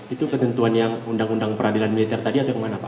itu ketentuan yang undang undang peradilan militer tadi atau kemana pak